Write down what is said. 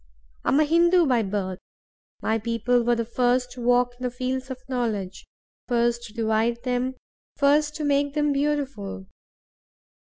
I am a Hindoo by birth. My people were the first to walk in the fields of knowledge, first to divide them, first to make them beautiful.